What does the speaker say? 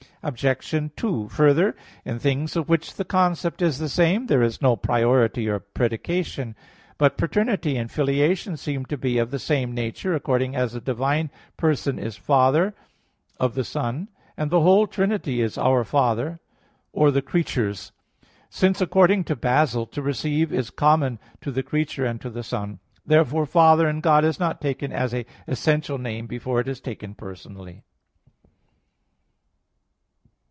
Obj. 2: Further, in things of which the concept is the same there is no priority of predication. But paternity and filiation seem to be of the same nature, according as a divine person is Father of the Son, and the whole Trinity is our Father, or the creature's; since, according to Basil (Hom. xv, De Fide), to receive is common to the creature and to the Son. Therefore "Father" in God is not taken as an essential name before it is taken personally.